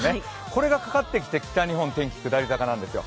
これがかかってきて、北日本、天気、下り坂なんですよ。